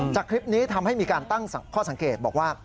คลิปนี้ทำให้มีการตั้งข้อสังเกตบอกว่า